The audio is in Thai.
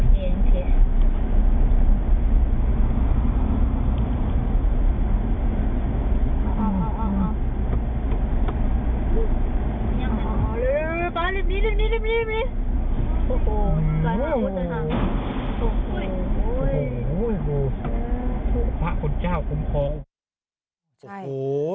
พระคุณเจ้าคุมคลอง